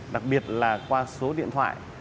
đặc biệt là qua số điện thoại